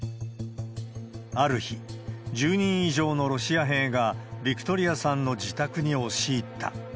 ある日、１０人以上のロシア兵がヴィクトリアさんの自宅に押し入った。